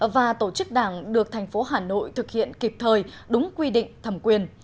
và tổ chức đảng được thành phố hà nội thực hiện kịp thời đúng quy định thẩm quyền